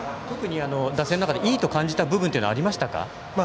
特に打線でいいと感じた部分はありましたか。